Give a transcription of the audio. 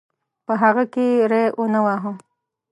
په هغه کې یې ری ونه واهه.